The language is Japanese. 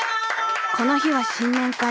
［この日は新年会］